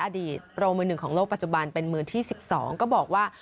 โปรมือหนึ่งของโลกปัจจุบันเป็นมือที่๑๒ก็บอกว่า